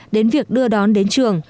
đến việc đưa đón đến trường